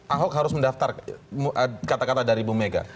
ahok harus mendaftar kata kata dari bu mega